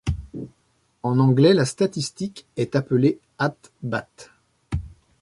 En anglais, la statistique est appelée At bat.